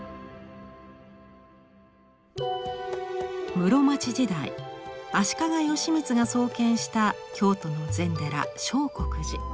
室町時代足利義満が創建した京都の禅寺相国寺。